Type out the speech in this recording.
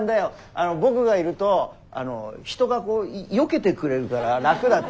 僕がいると人がこうよけてくれるから楽だって。